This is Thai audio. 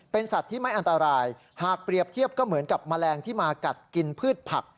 เป็นสัตว์ที่ไม่อันตรายหากเปรียบเทียบก็เหมือนกับแมลงที่มากัดกินพืชผัก